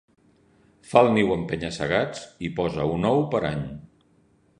Fa el niu en penya-segats i posa un ou per any.